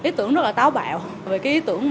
ý tưởng rất là táo bạo